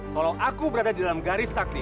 kalau aku berada di dalam garis takdir